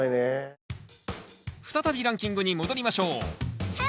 再びランキングに戻りましょう。